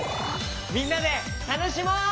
みんなでたのしもう！